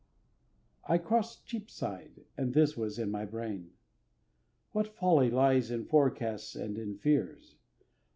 I crossed Cheapside, and this was in my brain. What folly lies in forecasts and in fears!